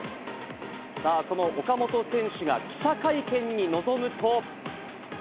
さあ、その岡本選手が記者会見に臨むと。